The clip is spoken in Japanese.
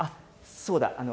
そうだ。